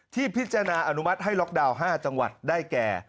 พิจารณาอนุมัติให้ล็อกดาวน์๕จังหวัดได้แก่